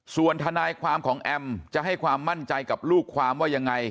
ส่วนทนายความของแอมจะให้ความมั่นใจกับลูกความว่ายังไง